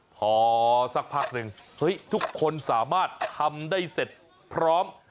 พอสักพักหนึ่งเฮ้ยทุกคนสามารถทำได้เสร็จพร้อม